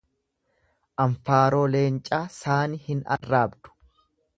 Anfaaroo leencaa saani hin arraabdu.